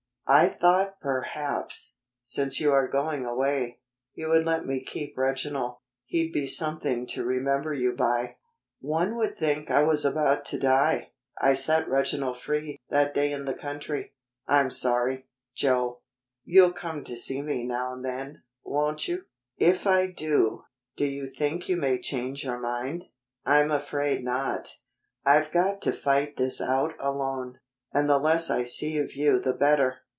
"I thought perhaps, since you are going away, you would let me keep Reginald. He'd be something to remember you by." "One would think I was about to die! I set Reginald free that day in the country. I'm sorry, Joe. You'll come to see me now and then, won't you?" "If I do, do you think you may change your mind?" "I'm afraid not." "I've got to fight this out alone, and the less I see of you the better."